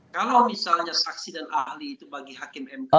kalau misalnya saksi dan ahli itu bagi hakim mk